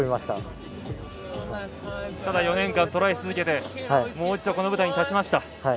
ただ、４年間トライし続けてもう一度この舞台に立ちました。